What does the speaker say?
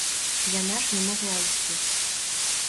Яна ж не магла ісці.